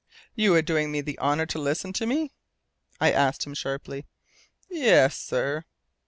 "You are doing me the honour to listen to me?" I asked him sharply. "Yes, sir."